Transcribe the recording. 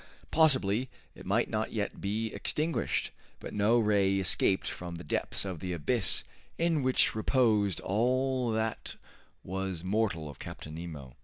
Possibly it might not yet be extinguished, but no ray escaped from the depths of the abyss in which reposed all that was mortal of Captain Nemo.